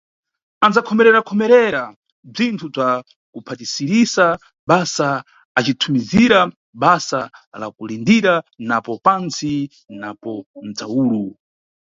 Anʼdzakhomererakhomerera bzwinthu bzwa kuphatirisira basa, acithumizira basa la kulindira, napo pantsi napo mʼdzawulu.